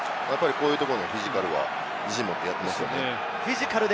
こういうフィジカルは自信を持ってやってますね。